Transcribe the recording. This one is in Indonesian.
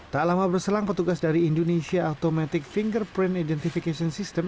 tak lama berselang petugas dari indonesia automatic fingerprint identification system